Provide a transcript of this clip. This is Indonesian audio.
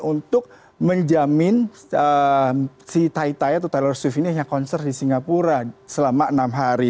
untuk menjamin si tai tai atau taylor shift ini hanya konser di singapura selama enam hari